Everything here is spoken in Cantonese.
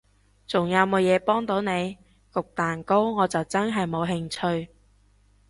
仲有無嘢幫到你？焗蛋糕我就真係冇興趣